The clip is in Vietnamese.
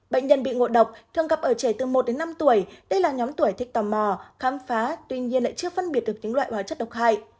bệnh nhân bị ngộ độc thường gặp ở trẻ từ một đến năm tuổi đây là nhóm tuổi thích tò mò khám phá tuy nhiên lại chưa phân biệt được những loại hóa chất độc hại